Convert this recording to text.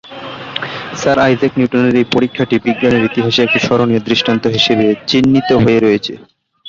Sir Isaac নিউটনের এই পরীক্ষাটি বিজ্ঞানের ইতিহাসে একটি স্মরণীয় দৃষ্টান্ত হিসাবে চিহ্নিত হয়ে রয়েছে।